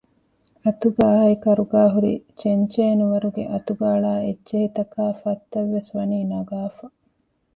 އަތުގައާއި ކަރުގައިހުރި ޗެންޗޭނުވަރުގެ އަތުގަ އަޅާ އެއްޗެހިތަކާ ފަށްތައްވެސް ވަނީ ނަގާފަ